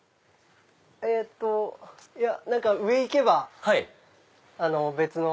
えっと上行けば別の。